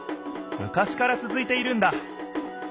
昔から続いているんだ。